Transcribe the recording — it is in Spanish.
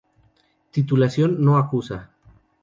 Titulación no acuosa.